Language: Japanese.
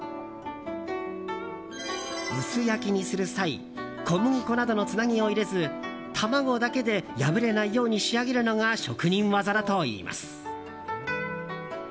薄焼きにする際小麦粉などのつなぎを入れず卵だけで破れないように仕上げるのが職人技だといいます。